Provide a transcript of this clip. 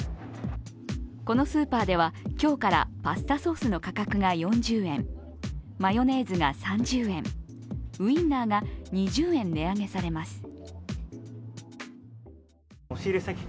このスーパーでは今日からパスタソースの価格が４０円、マヨネーズが３０円、ウインナーが２０円値上げされます。